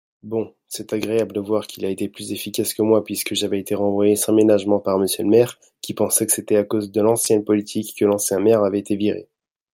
bon, c'est agréable de voir qu'il a été plus efficace que moi puisque j'avais été renvoyé sans ménagement par monsieur le maire qui pensait que c'était à cause de l'ancienne politique que l'ancien maire avait été viré.